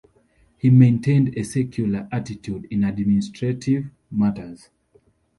He maintained a secular attitude in administrative matters.